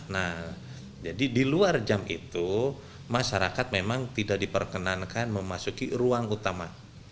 nah jadi di luar jam itu masyarakat memang tidak diperkenankan memasuki ruang utama